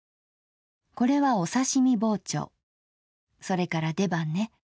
これはおさしみ包丁それから出刃ね。